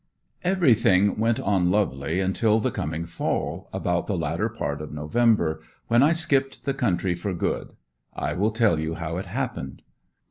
Everything went on lovely until the coming fall, about the latter part of November when I skipped the country for good. I will tell you how it happened.